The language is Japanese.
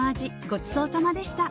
ごちそうさまでした